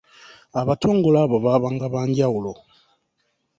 Abatongole abo baabanga banjawulo.